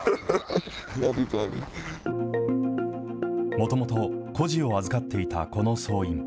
もともと、孤児を預かっていたこの僧院。